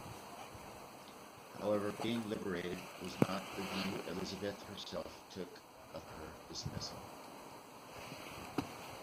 However, being 'liberated' was not the view Elizabeth herself took of her dismissal.